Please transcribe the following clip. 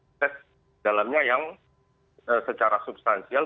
proses dalamnya yang secara substansial